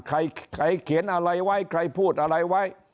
ใครเขียนอะไรไว้ใครพูดอะไรไว้